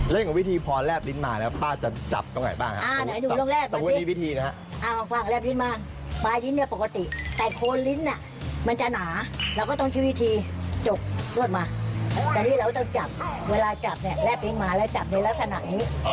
เรื่องวิธีพอแรบลิ้นมาแล้วป้าจะจับตรงไหนบ้าง